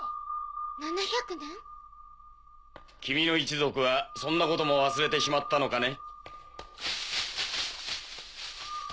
君の一族はそんなことも忘れてしまったのかね。